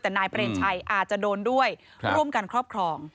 แต่นายเปรมชัยอาจจะโดนด้วยร่วมกันครอบครอง